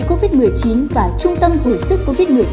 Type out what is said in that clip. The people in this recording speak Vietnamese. covid một mươi chín và trung tâm hồi sức covid một mươi chín